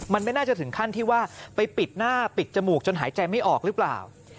มันไม่น่าจะถึงขั้นที่ว่าไปปิดหน้าปิดจมูกจนหายใจไม่ออกหรือเปล่า